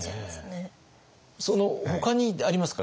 ほかにありますか？